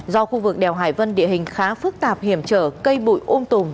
do khu vực đèo hải vân địa hình khá phức tạp hiểm trở cây bụi ôm tùm